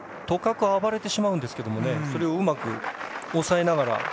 とかく暴れてしまうんですがそれをうまく抑えながら。